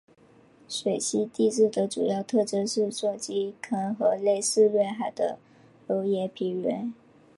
水星地质的主要特征是撞击坑和类似月海的熔岩平原。